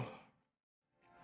supaya bisa deket sama lo